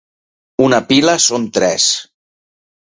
Una pila són tres.